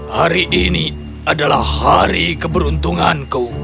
hari ini adalah hari keberuntunganku